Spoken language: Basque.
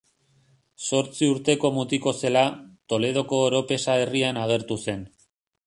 Zortzi urteko mutiko zela, Toledoko Oropesa herrian agertu zen.